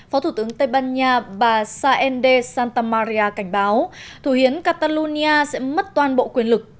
phó thủ tướng tây ban nha bà saende santamaria cảnh báo thủ hiến catalun nha sẽ mất toàn bộ quyền lực